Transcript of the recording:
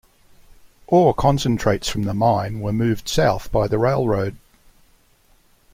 Ore concentrates from the mine were moved south by the railroad.